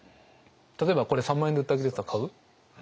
例えばこれ「３万円で売ってあげる」って言ったら買う？